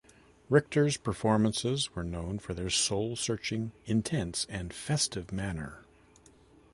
Richter's performances were known for their soul-searching, intense and festive manner.